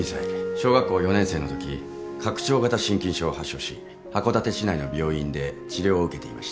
小学校４年生のとき拡張型心筋症を発症し函館市内の病院で治療を受けていました。